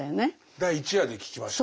第１夜で聞きましたね。